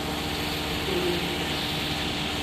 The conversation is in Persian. سوریمی